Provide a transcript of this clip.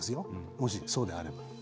もし、そうであれば。